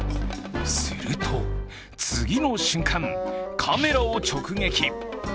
すると、次の瞬間、カメラを直撃。